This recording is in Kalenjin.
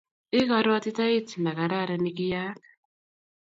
I karuatitaet ne karakaran ni ki ai ak